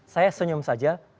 saya senyum saja